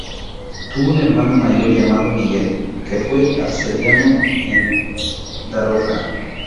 Tuvo un hermano mayor llamado Miguel, que fue arcediano en Daroca.